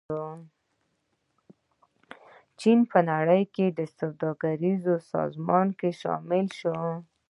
چین په نړیواله سوداګریزې سازمان کې شامل شو.